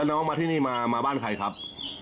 น้องมาที่นี่มาบ้านใครครับ